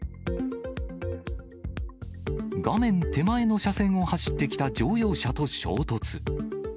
画面手前の車線を走ってきた乗用車と衝突。